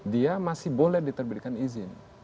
dia masih boleh diterbitkan izin